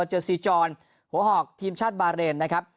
เจอซีจรหัวหอกทีมชาติบาเรนนะครับ